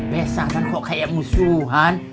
besok kan kok kayak musuhan